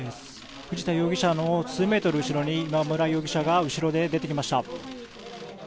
藤田容疑者の数メートル後ろに今村容疑者が出てきました。